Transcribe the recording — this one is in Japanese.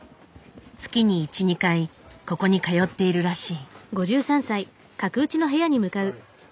月に１２回ここに通っているらしい。